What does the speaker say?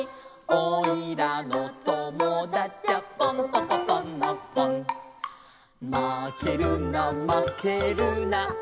「おいらのともだちゃポンポコポンのポン」「まけるなまけるなおしょうさんにまけるな」